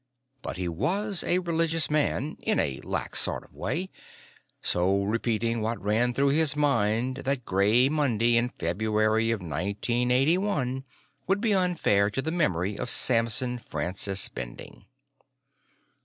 But he was a religious man in a lax sort of way so repeating what ran through his mind that gray Monday in February of 1981 would be unfair to the memory of Samson Francis Bending.